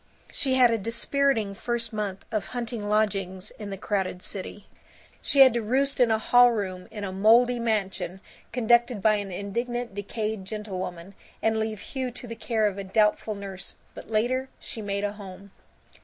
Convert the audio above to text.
She had a dispiriting first month of hunting lodgings in the crowded city. She had to roost in a hall room in a moldy mansion conducted by an indignant decayed gentlewoman, and leave Hugh to the care of a doubtful nurse. But later she made a home.